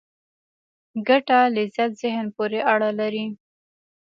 ګټه لذت ذهن پورې اړه لري.